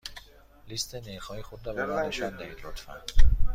لیست نرخ های خود را به من نشان دهید، لطفا.